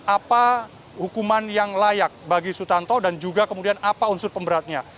apa hukuman yang layak bagi sutanto dan juga kemudian apa unsur pemberatnya